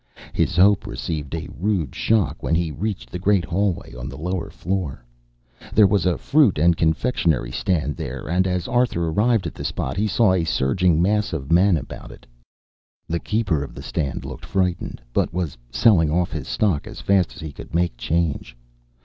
His hope received a rude shock when he reached the great hallway on the lower floor. There was a fruit and confectionery stand here, and as Arthur arrived at the spot, he saw a surging mass of men about it. The keeper of the stand looked frightened, but was selling off his stock as fast as he could make change.